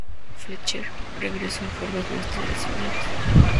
Fletcher regresó a formas más tradicionales.